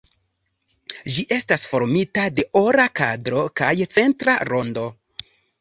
Ĝi estas formita de ora kadro kaj centra rondo.